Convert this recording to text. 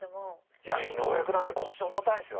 いや井上九段ね腰重たいんですよ。